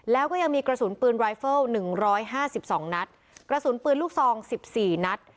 แล้วก็ยังมีกระสุนปืนรายเฟิลหนึ่งร้อยห้าสิบสองนัดกระสุนปืนลูกทรองสิบสี่นัด